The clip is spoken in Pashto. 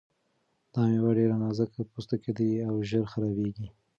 دا مېوه ډېر نازک پوستکی لري او ژر خرابیږي.